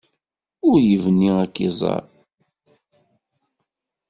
Ur yebni ad k-iẓer.